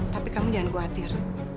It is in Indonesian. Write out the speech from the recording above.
tapi kamu jangan khawatir